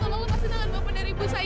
tolong lepasin tangan bapak dari ibu saya